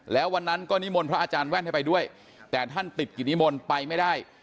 แล้ววันนั้นก็นิมนต์พระอาจารย์แว่นให้ไปด้วยแต่ท่านติดกิจนิมนต์ไปไม่ได้